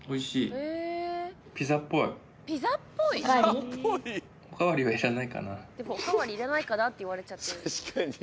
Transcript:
ピザっぽい？おかわりいらないかなっていわれちゃってる。